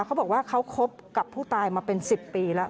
เขาบอกว่าเขาคบกับผู้ตายมาเป็น๑๐ปีแล้ว